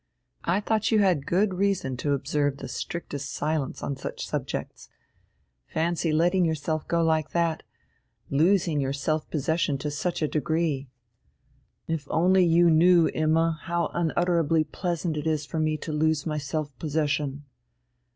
I thought you had good reason to observe the strictest silence on such subjects. Fancy letting yourself go like that! Losing your self possession to such a degree!" "If you only knew, Imma, how unutterably pleasant it is for me to lose my self possession!"